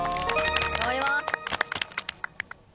頑張ります！